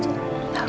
gak usah mirna